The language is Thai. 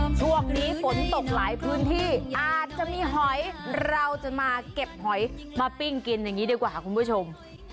ช่วงนี้ฝนตกหลายพื้นที่อาจจะมีหอยเราจะมาเก็บหอยมาปิ้งกินอย่างนี้ดีกว่าคุณผู้ชม